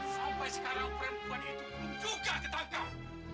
sampai sekarang perempuan itu belum juga ketangkap